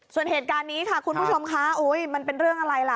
ส่วนเหตุการณ์นี้ค่ะคุณผู้ชมคะมันเป็นเรื่องอะไรล่ะ